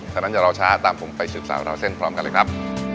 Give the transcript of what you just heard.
แต่ตอนนั้นอย่ารอช้าตามผมไปสื่อสารราวเส้นพร้อมกันครับ